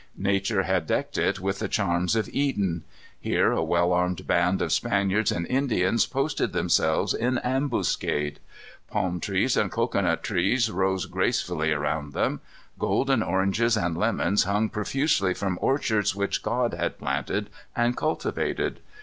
Nature had decked it with the charms of Eden. Here a well armed band of Spaniards and Indians posted themselves in ambuscade. Palm trees and cocoanut trees rose gracefully around them. Golden oranges and lemons hung profusely from orchards which God had planted and cultivated.